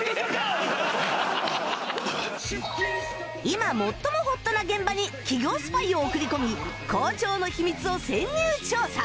今最もホットな現場に企業スパイを送り込み好調の秘密を潜入調査